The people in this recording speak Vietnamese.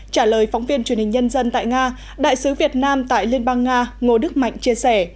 trả lời phóng viên truyền hình nhân dân tại nga đại sứ việt nam tại liên bang nga ngô đức mạnh chia sẻ